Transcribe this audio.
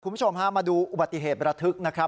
คุณผู้ชมฮะมาดูอุบัติเหตุระทึกนะครับ